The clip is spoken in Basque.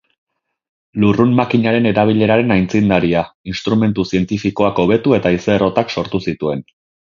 Lurrun-makinaren erabileraren aitzindaria, instrumentu zientifikoak hobetu eta haize-errotak sortu zituen.